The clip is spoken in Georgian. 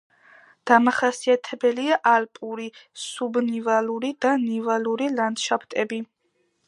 დამახასიათებელია ალპური, სუბნივალური და ნივალური ლანდშაფტები.